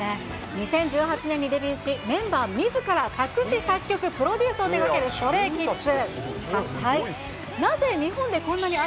２０１８年にデビューし、メンバーみずから作詞、作曲、プロデュースを手がけるＳｔｒａｙＫｉｄｓ。